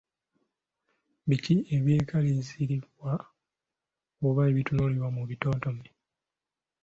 Biki ebyekalirizibwa oba ebitunuulirwa mu bitontome.